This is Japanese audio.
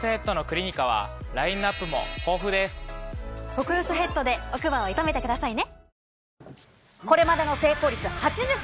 極薄ヘッドで奥歯を射止めてくださいね！